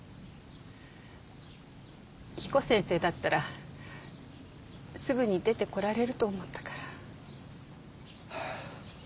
彦先生だったらすぐに出てこられると思ったから。